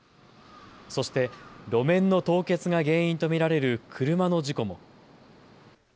そして路面の凍結が原因と見られる車の事故も。